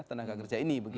tenaga kerja ini